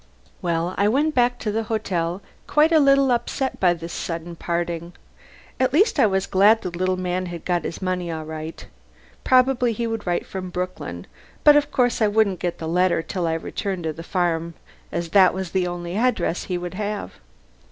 Well, I went back to the hotel, quite a little upset by this sudden parting. At least I was glad the little man had got his money all right. Probably he would write from Brooklyn, but of course I wouldn't get the letter till I returned to the farm as that was the only address he would have.